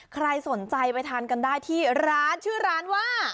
ใครสนใจไปทานกันได้ที่ร้านชื่อร้านว่า